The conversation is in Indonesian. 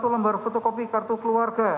satu lembar fotokopi kartu keluarga